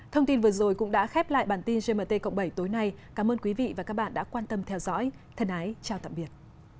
thông tin vừa rồi cũng đã khép lại bản tin gmt cộng bảy tối nay cảm ơn quý vị và các bạn đã quan tâm theo dõi thân ái chào tạm biệt